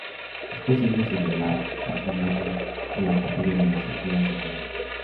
Es posible celebrar matrimonios en la capilla de la estructura submarina.